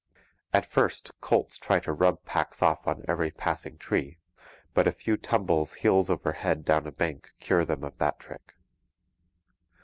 At first colts try to rub packs off on every passing tree, but a few tumbles heels over head down a bank cure them of that trick.